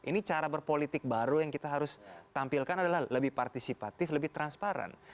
ini cara berpolitik baru yang kita harus tampilkan adalah lebih partisipatif lebih transparan